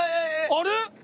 あれ！？